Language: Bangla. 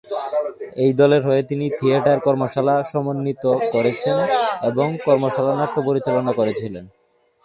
এই দলের হয়ে তিনি থিয়েটার কর্মশালা সমন্বিত করেছেন এবং কর্মশালা নাট্য পরিচালনা করেছিলেন।